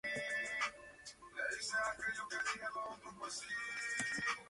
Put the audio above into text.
Metatarso I curvo.